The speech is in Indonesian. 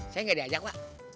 saya gak diajak pak